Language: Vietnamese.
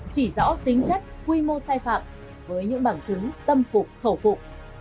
chỉ rõ tính chất quy mô sai phạm với những bảng chứng tâm phục khẩu phục